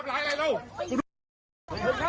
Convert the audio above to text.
เต็มเถอะ